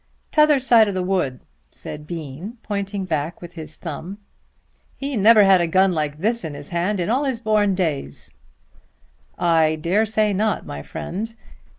"Tother side of the wood," said Bean pointing back with his thumb. "He never had a gun like this in his hand in all his born days." "I dare say not, my friend.